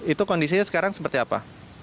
itu kondisinya sekarang seperti apa